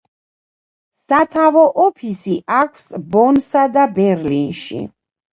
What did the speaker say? სათავო ოფისი აქვს ბონსა და ბერლინში.